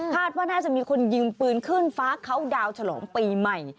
ว่าน่าจะมีคนยิงปืนขึ้นฟ้าเขาดาวฉลองปีใหม่